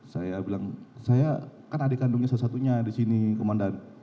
saya bilang saya kan adik kandungnya satu satunya disini komandan